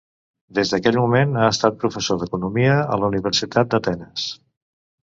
Des d'aquell moment, ha estat professor d'Economia a la Universitat d'Atenes.